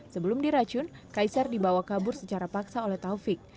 sebelum diracun kaisar dibawa kabur secara paksa oleh taufik